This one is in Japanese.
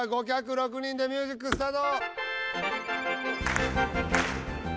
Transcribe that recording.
６人でミュージックスタート！